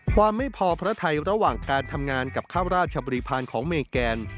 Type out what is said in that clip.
ความไม่พอพระไทยระหว่างการทำงานกับข้าวราชบริพาณของเมแกน